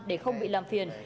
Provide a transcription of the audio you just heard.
để không bị làm phiền